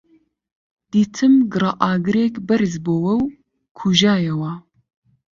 دیتم گڕەئاگرێک بەرز بۆوە و کوژایەوە